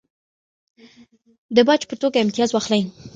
د باج په توګه امتیاز واخلي.